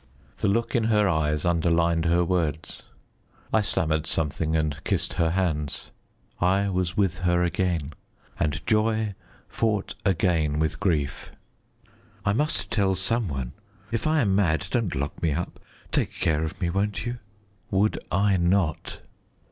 The look in her eyes underlined her words. I stammered something and kissed her hands. I was with her again, and joy fought again with grief. "I must tell some one. If I am mad, don't lock me up. Take care of me, won't you?" Would I not?